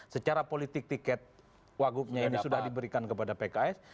secara politik tiket wagubnya ini sudah diberikan kepada pks